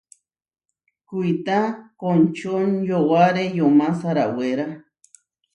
Kuitá končonyowáre yomá sarawéra.